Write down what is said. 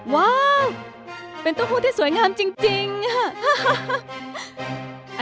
ว้าวเป็นเต้าหู้ที่สวยงามจริงค่ะ